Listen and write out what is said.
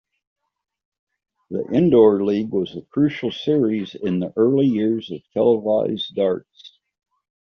The Indoor League was a crucial series in the early years of televised darts.